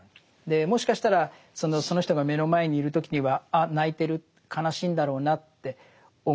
もしかしたらその人が目の前にいる時にはあ泣いてる悲しいんだろうなって思う。